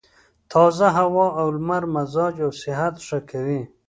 تازه هوا او لمر مزاج او صحت ښه کوي.